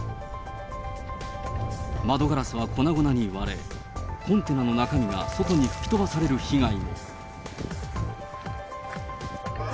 窓ガラスは粉々に割れ、コンテナの中身が外に吹き飛ばされる被害も。